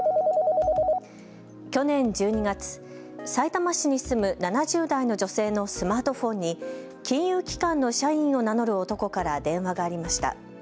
去年１２月、さいたま市に住む７０代の女性のスマートフォンに金融機関の社員を名乗る男から電話がありました。